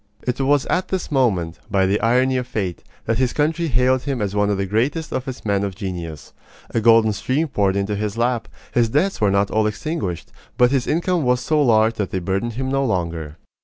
It was at this moment, by the irony of fate, that his country hailed him as one of the greatest of its men of genius. A golden stream poured into his lap. His debts were not all extinguished, but his income was so large that they burdened him no longer.